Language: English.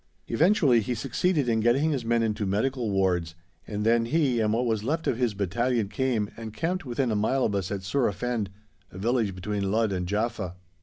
Eventually he succeeded in getting his men into medical wards, and then he and what was left of his battalion came and camped within a mile of us at Surafend, a village between Ludd and Jaffa.